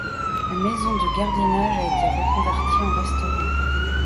La maison de gardiennage a été reconverti en restaurant.